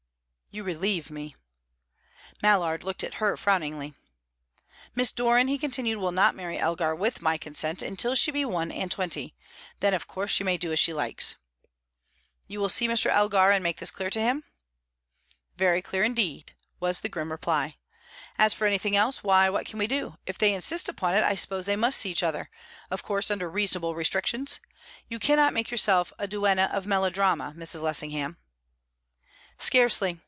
"You relieve me." Mallard looked at her frowningly. "Miss Doran," he continued, "will not marry Elgar with my consent until she be one and twenty. Then, of course, she may do as she likes." "You will see Mr. Elgar, and make this clear to him?" "Very clear indeed," was the grim reply. "As for any thing else, why, what can we do? If they insist upon it, I suppose they must see each other of course, under reasonable restrictions. You cannot make yourself a duenna of melodrama, Mrs. Lessingham." "Scarcely.